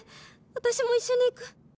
私も一緒に逝く！」。